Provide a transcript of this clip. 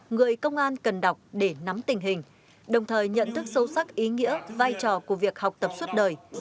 người công an cần đọc để nắm tình hình đồng thời nhận thức sâu sắc ý nghĩa vai trò của việc học tập suốt đời